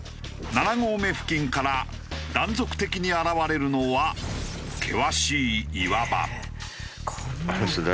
７合目付近から断続的に現れるのは険しい岩場。